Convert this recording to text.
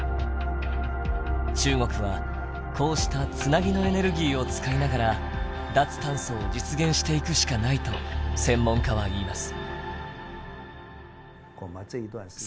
中国はこうした「つなぎのエネルギー」を使いながら脱炭素を実現していくしかないと専門家は言います。